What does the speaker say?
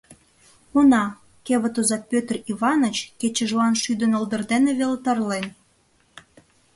Уна, кевыт оза Пӧтыр Иваныч кечыжлан шӱдынылдыр дене веле тарлен.